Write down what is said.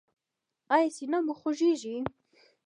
ایا سینه مو خوږیږي؟